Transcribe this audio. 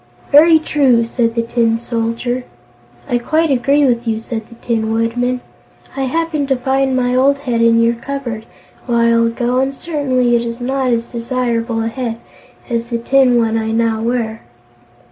"Very true," said the Tin Soldier. "I quite agree with you," said the Tin Woodman. "I happened to find my old head in your cupboard, a while ago, and certainly it is not as desirable a head as the tin one I now wear."